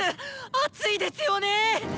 アツいですよね！